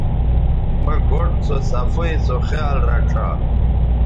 مہ گوٹھ سوصفائ سو خیال رڇھا